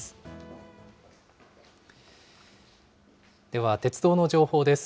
では鉄道の情報です。